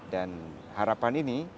dan harapan ini